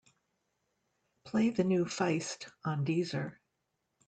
play the new Feist on deezer